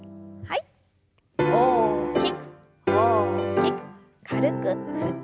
大きく大きく軽く振って。